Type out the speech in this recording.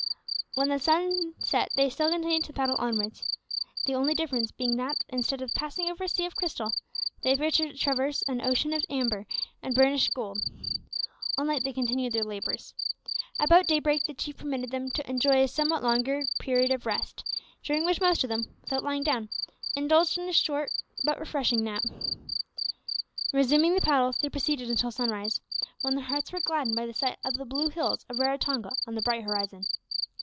When the sun set they still continued to paddle onwards, the only difference being that instead of passing over a sea of crystal, they appeared to traverse an ocean of amber and burnished gold. All night they continued their labours. About daybreak the Chief permitted them to enjoy a somewhat longer period of rest, during which most of them, without lying down, indulged in a short but refreshing nap. Resuming the paddles, they proceeded until sunrise, when their hearts were gladdened by the sight of the blue hills of Raratonga on the bright horizon.